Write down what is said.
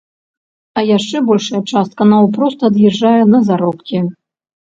А яшчэ большая частка наўпрост ад'язджае на заробкі.